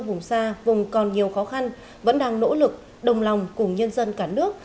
vùng xa vùng còn nhiều khó khăn vẫn đang nỗ lực đồng lòng cùng nhân dân cả nước